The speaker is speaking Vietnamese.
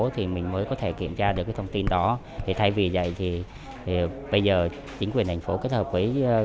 thì mình mới có thể kiểm tra được cái thông tin đó thì thay vì vậy thì bây giờ chính quyền thành phố kết hợp với